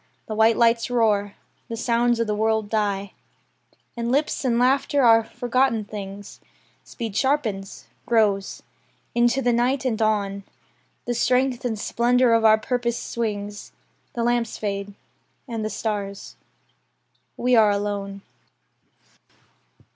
The white lights roar. The sounds of the world die. And lips and laughter are forgotten things. Speed sharpens; grows. Into the night, and on, The strength and splendour of our purpose swings. The lamps fade; and the stars. We are alone.